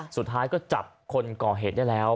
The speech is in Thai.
สุดท้ายก็จับคนก่อเหตุได้แล้ว